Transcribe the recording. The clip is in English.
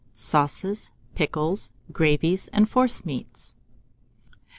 SAUCES, PICKLES, GRAVIES, AND FORCEMEATS.